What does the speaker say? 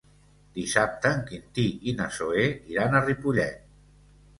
Dissabte en Quintí i na Zoè iran a Ripollet.